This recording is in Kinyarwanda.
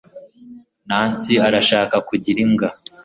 nancy arashaka kugira imbwa